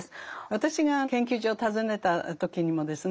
私が研究所を訪ねた時にもですね